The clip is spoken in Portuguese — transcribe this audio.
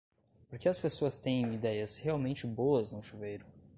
Por que as pessoas têm idéias realmente boas no chuveiro?